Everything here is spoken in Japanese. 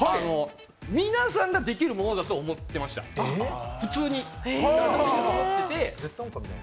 皆さんができるものだと思ってました、普通に思ってて。